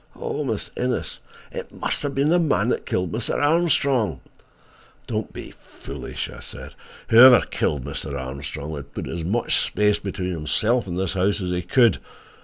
Oh, Miss Innes, it must have been the man that killed that Mr. Armstrong!" "Don't be foolish," I said. "Whoever killed Mr. Armstrong would put as much space between himself and this house as he could.